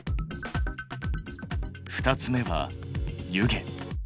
２つ目は湯気。